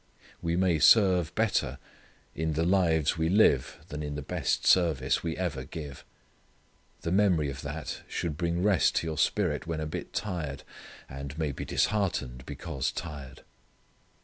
We may serve better in the lives we live than in the best service we ever give. The memory of that should bring rest to your spirit when a bit tired, and may be disheartened because tired.